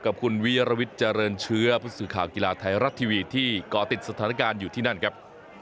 กับคุณวิรวิทย์เจริญเชื้อผู้สื่อข่าวกีฬาไทยรัฐทีวีที่ก่อติดสถานการณ์อยู่ที่นั่นครับ